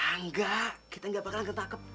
enggak kita gak bakalan ketangkep